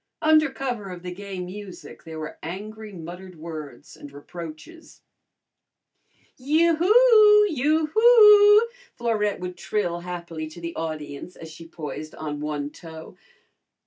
Under cover of the gay music there were angry muttered words and reproaches. "Yoo hoo! Yoo hoo!" Florette would trill happily to the audience as she poised on one toe.